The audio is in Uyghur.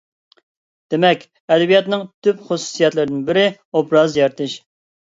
دېمەك، ئەدەبىياتنىڭ تۈپ خۇسۇسىيەتلىرىنىڭ بىرى ئوبراز يارىتىش.